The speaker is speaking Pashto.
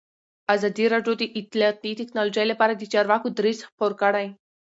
ازادي راډیو د اطلاعاتی تکنالوژي لپاره د چارواکو دریځ خپور کړی.